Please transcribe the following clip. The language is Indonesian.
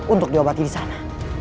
untuk diobati disana